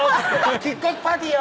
キックオフパーティーよ！」